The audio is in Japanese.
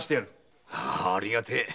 ありがてえ。